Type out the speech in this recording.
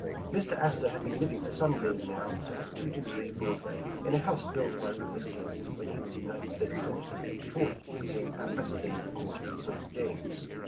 Mr. Astor had been living for some years now at 223 Broadway, in a house built by Rufus King, when he was United States Senator, before he became ambas sador to the Court of St. James.